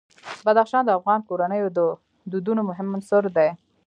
بدخشان د افغان کورنیو د دودونو مهم عنصر دی.